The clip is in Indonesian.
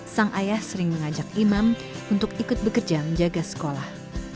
sang ayah sering mengajak imam untuk ikut bekerja menjaga sekolah